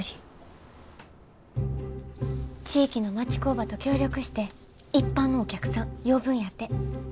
地域の町工場と協力して一般のお客さん呼ぶんやて。